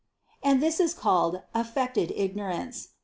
And this is called "affected ignorance."